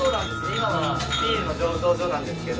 今はビールの醸造所なんですけど。